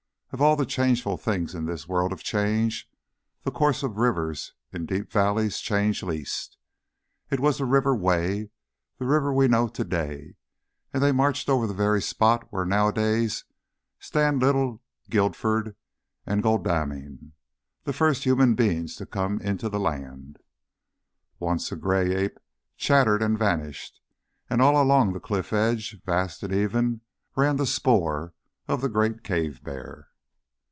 Of all the changeful things in this world of change, the courses of rivers in deep valleys change least. It was the river Wey, the river we know to day, and they marched over the very spots where nowadays stand little Guildford and Godalming the first human beings to come into the land. Once a grey ape chattered and vanished, and all along the cliff edge, vast and even, ran the spoor of the great cave bear.